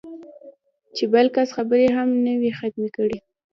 چې بل کس خبرې هم نه وي ختمې کړې